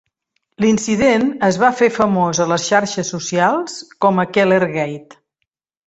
L'incident es va fer famós a les xarxes socials com a KellerGate.